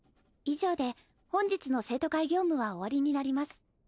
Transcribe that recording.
以上で本日の生徒会業務は終わりになります。